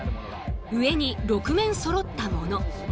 上に６面そろったもの。